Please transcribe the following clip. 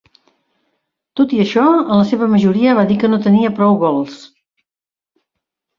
Tot i això, en la seva majoria va dir que no tenia prou gols.